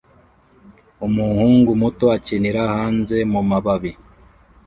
Umuhungu muto akinira hanze mumababi